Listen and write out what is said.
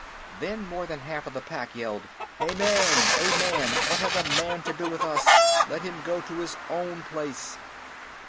Then more than half the Pack yelled: "A man! A man! What has a man to do with us? Let him go to his own place."